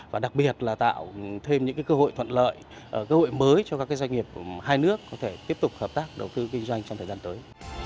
và đặc biệt là tạo thêm những cơ hội thuận lợi cơ hội mới cho các doanh nghiệp hai nước có thể tiếp tục hợp tác đầu tư kinh doanh trong thời gian tới